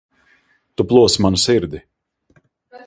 Tu plosi manu sirdi.